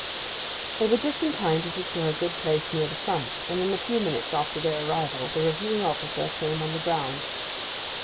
They were just in time to secure a good place near the front, and in a few minutes after their arrival the reviewing officer came on the ground.